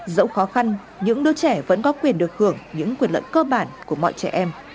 dẫu khó khăn những đứa trẻ vẫn có quyền được hưởng những quyền lợi cơ bản của mọi trẻ em